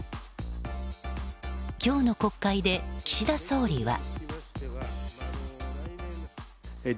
今日の国会で岸田総理は。